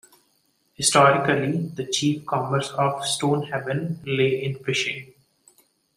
Historically the chief commerce of Stonehaven lay in fishing.